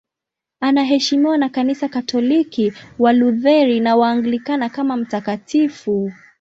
Anaheshimiwa na Kanisa Katoliki, Walutheri na Waanglikana kama mtakatifu.